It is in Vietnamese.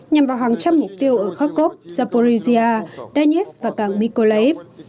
nhằm vào hàng trăm mục tiêu ở kharkov zaporizhia donetsk và càng mykolaiv